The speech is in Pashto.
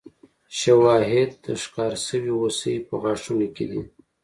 شواهد د ښکار شوې هوسۍ په غاښونو کې دي.